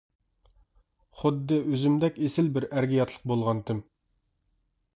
خۇددى ئۆزۈمدەك ئېسىل بىر ئەرگە ياتلىق بولغانتىم.